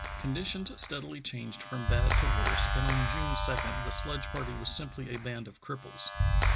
Conditions steadily changed from bad to worse, and on June 2 the sledge party was simply a band of crip ples.